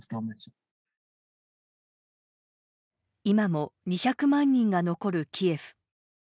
今も２００万人が残るキエフ。